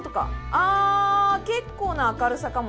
あ結構な明るさかも。